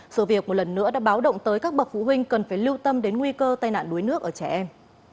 sự việc một lần nữa đã báo động tới các bậc phụ huynh cần phải lưu tâm đến nguy cơ tai nạn đuối nước ở trẻ em